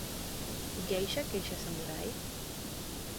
Geisha queixa samurai?